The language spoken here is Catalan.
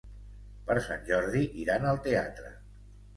Per Sant Jordi iran al teatre.